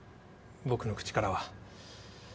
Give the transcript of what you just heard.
僕の口からは。